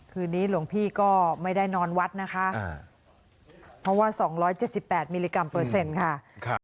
คืนนี้หลวงพี่ก็ไม่ได้นอนวัดนะคะเพราะว่า๒๗๘มิลลิกรัมเปอร์เซ็นต์ค่ะ